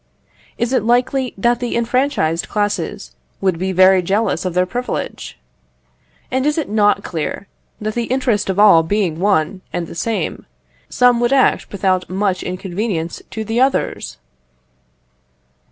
Is it likely that the enfranchised classes would be very jealous of their privilege? And is it not clear, that the interest of all being one and the same, some would act without much inconvenience to the others?